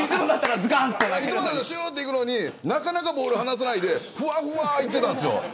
いつもならしゅーっていくのになかなかボール放さないでふわふわっていっていたんです。